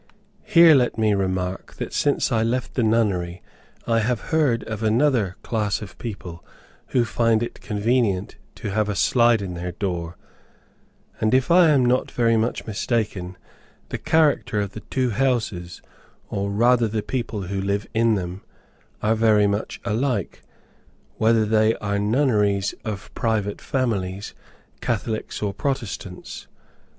Here let me remark, that since I left the nunnery, I have heard of another class of people who find it convenient to have a slide in their door; and if I am not very much mistaken, the character of the two houses, or rather the people who live in them, are very much alike, whether they are nunneries of private families, Catholics or Protestants.